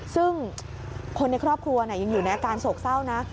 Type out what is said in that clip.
ซึ่งคนในครอบครัวยังอยู่ในอาการโศกเศร้านะ